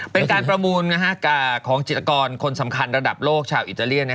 เป็นการประมูลของจิตกรคนสำคัญระดับโลกชาวอิตาเลียน